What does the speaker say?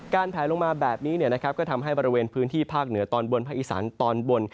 แผลลงมาแบบนี้ก็ทำให้บริเวณพื้นที่ภาคเหนือตอนบนภาคอีสานตอนบน